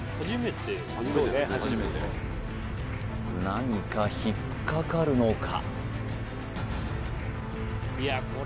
何か引っ掛かるのか？